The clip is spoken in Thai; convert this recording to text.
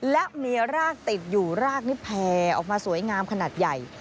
และมีรากติดอยู่รากนี้แพรออกมาสวยงามขนาดใหญ่